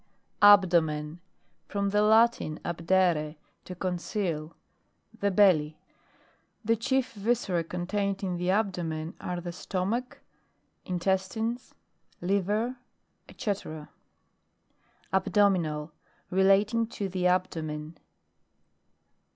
ABDOMEN. From the Latin, abdere, to conceal; the bi'lly. Tlie chief viscera contained in the abdomen, are the stomach, intestines, liver, fee. ABDOMINAL. Relating to the abdo men.